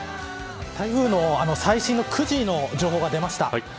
台風の最新の９時の情報が出ました。